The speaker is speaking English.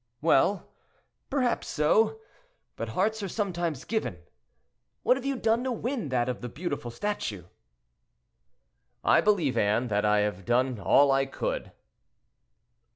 "Well! perhaps so; but hearts are sometimes given. What have you done to win that of the beautiful statue?" "I believe, Anne, that I have done all I could."